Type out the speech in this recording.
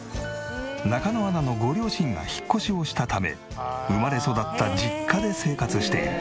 中野アナのご両親が引っ越しをしたため生まれ育った実家で生活している。